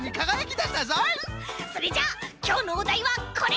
それじゃきょうのおだいはこれ！